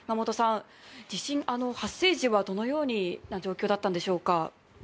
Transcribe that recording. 地震発生時はどのような状況だったんでしょうか。